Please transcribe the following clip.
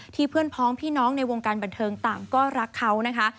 เพื่อนพ้องพี่น้องในวงการบันเทิงต่างก็รักเขานะคะ